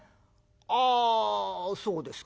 「ああそうですか。